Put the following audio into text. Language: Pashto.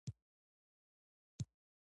نو تاسي ئې وګورئ